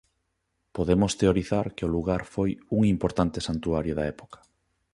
Podemos teorizar que o lugar foi un importante santuario da época.